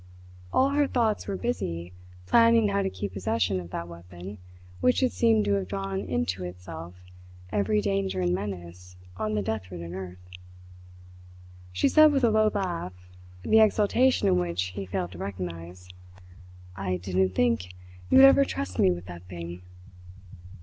All her thoughts were busy planning how to keep possession of that weapon which had seemed to have drawn into itself every danger and menace on the death ridden earth. She said with a low laugh, the exultation in which he failed to recognize: "I didn't think that you would ever trust me with that thing!"